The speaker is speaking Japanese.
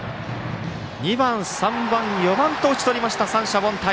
２番、３番、４番と打ち取って三者凡退。